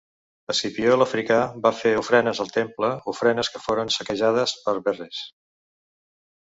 Escipió l'Àfrica va fer ofrenes al temple, ofrenes que foren saquejades per Verres.